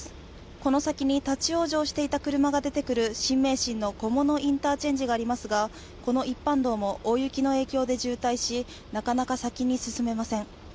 この先に立往生していた車が出てくる新名神の菰野ＩＣがありますが、この一般道も大雪の影響で渋滞しなかなか先に進めません。